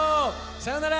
さよなら。